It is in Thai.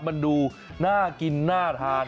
มันดูน่ากินน่าทาน